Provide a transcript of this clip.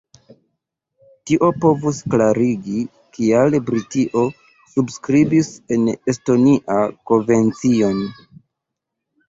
Tio povus klarigi, kial Britio subskribis la Estonia-kovencion.